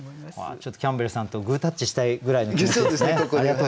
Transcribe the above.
ちょっとキャンベルさんとグータッチしたいぐらいの気持ちですね。